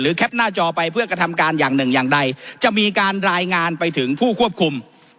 แคปหน้าจอไปเพื่อกระทำการอย่างหนึ่งอย่างใดจะมีการรายงานไปถึงผู้ควบคุม